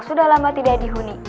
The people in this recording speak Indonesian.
sudah lama tidak dihuni